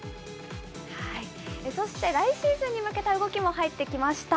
そして来シーズンに向けた動きも入ってきました。